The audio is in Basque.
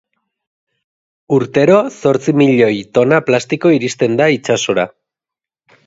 Urtero, zortzi milioi tona plastiko iristen da itsasora.